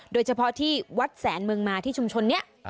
โดยเฉพาะที่วัดแสนเมืองมาที่ชุมชนนี้